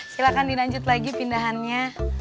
silahkan di lanjut lagi pindahannya